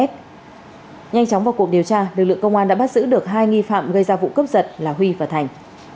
nhanh chóng vào cuộc điều tra lực lượng công an đã bắt giữ được hai nghi phạm gây ra vụ cướp giật là huy và thành